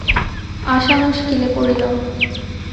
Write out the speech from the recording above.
আশা মুশকিলে পড়িল।